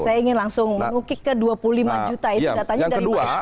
saya ingin langsung menukik ke dua puluh lima juta itu datanya dari mana